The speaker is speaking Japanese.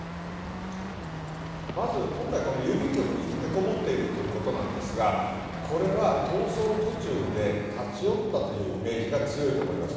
まず今回、郵便局に立てこもっているということですがこれは逃走途中で立ち寄ったというイメージが強いと思います。